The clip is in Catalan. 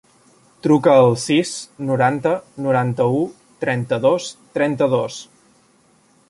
Truca al sis, noranta, noranta-u, trenta-dos, trenta-dos.